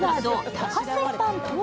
「多加水パン」とは？